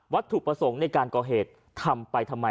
ถูกประสงค์ในการก่อเหตุทำไปทำไม